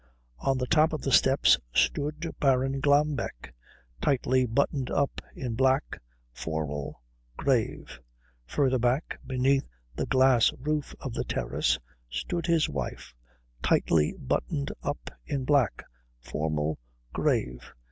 On the top of the steps stood Baron Glambeck, tightly buttoned up in black, formal, grave. Further back, beneath the glass roof of the terrace, stood his wife, tightly buttoned up in black, formal, grave.